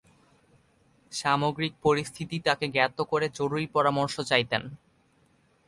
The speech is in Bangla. সামগ্রিক পরিস্থিতি তাকে জ্ঞাত করে জরুরী পরামর্শ চাইতেন।